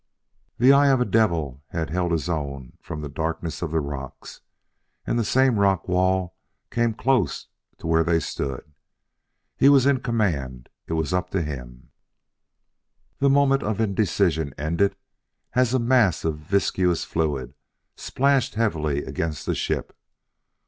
The eyes of a devil had held his own from the darkness of the rocks, and the same rock wall came close to where they stood. He was in command; it was up to him The moment of indecision ended as a mass of viscous fluid splashed heavily against the ship.